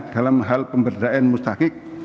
dalam hal pemberdayaan mustakik